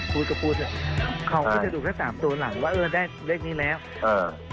พูดก็พูดด้วยเขาก็จะดูแค่สามตัวหลังว่าเออได้เลขนี้แล้วอ่า